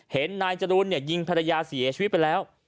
เห็นนายจรูนยิงภรรยาเสียชีวิตไปแล้ว